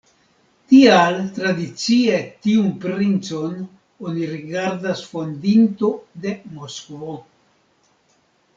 Tial tradicie tiun princon oni rigardas fondinto de Moskvo.